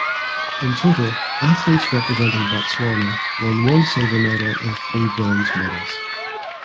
In total athletes representing Botswana won one silver medal and three bronze medals.